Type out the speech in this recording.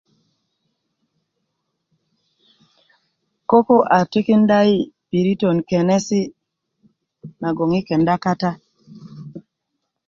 koko a tikinda yi' piritän kenesi' nagoŋ yi' kenda kata